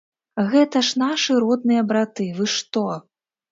Гэта ж нашы родныя браты, вы што.